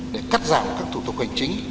để cắt giảm các thủ tục hành chính